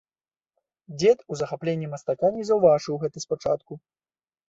Дзед у захапленні мастака не заўважыў гэта спачатку.